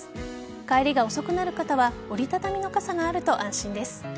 帰りが遅くなる方は折り畳みの傘があると安心です。